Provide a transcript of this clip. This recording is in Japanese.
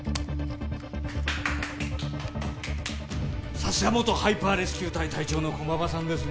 さすが元ハイパーレスキュー隊隊長の駒場さんですね